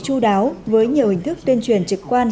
chú đáo với nhiều hình thức tuyên truyền trực quan